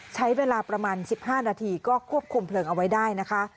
ใช้เวลาประมาณ๑๕นาทีก็ควบคุมเพลิงเอาไว้ได้นะคะ